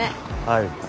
はい。